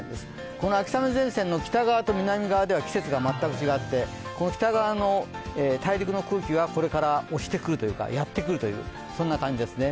この秋雨前線の北側と南側では季節が全く違って、この北側の大陸の空気がこれからやってくるという感じですね。